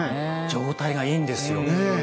状態がいいんですよ。